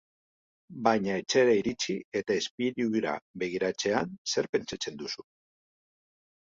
Baina etxera iritsi eta ispilura begiratzean, zer pentsatzen duzu?